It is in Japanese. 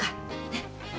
ねっ。